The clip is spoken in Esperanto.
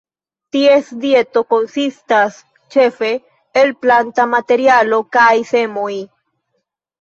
Ties dieto konsistas ĉefe el planta materialo kaj semoj.